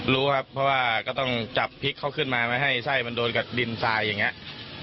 รู้ครับเพราะว่าก็ต้องจับพริกเขาขึ้นมาไม่ให้ไส้มันโดนกับดินทรายอย่างนี้